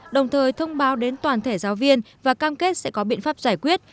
đồng thời thông báo đến toàn thể giáo viên và cam kết sẽ có biện pháp giải quyết